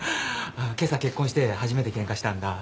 けさ結婚して初めてケンカしたんだ。